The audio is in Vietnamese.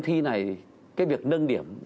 thi này cái việc nâng điểm